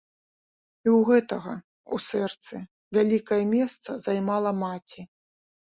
І ў гэтага ў сэрцы вялікае месца займала маці.